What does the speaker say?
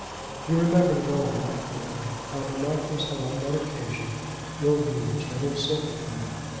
He remembered it all accurately, how the Marquis had on that occasion ill used and insulted him.